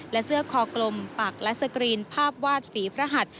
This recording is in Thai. และเสื้อคอกลมปักและสกรีนภาพวาดฝีพระหัด